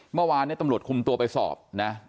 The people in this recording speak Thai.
เมื่อวานเนี่ยตำรวจคุมตัวไปสอบนะ